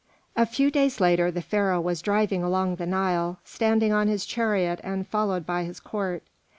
XVI A few days later the Pharaoh was driving along the Nile, standing on his chariot and followed by his court.